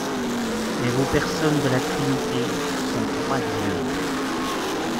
Et vos personnes de la Trinité sont trois Dieux.